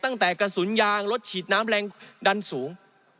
กระสุนยางรถฉีดน้ำแรงดันสูง